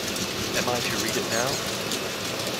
Am I to read it now?